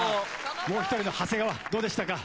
もう１人の長谷川どうでしたか？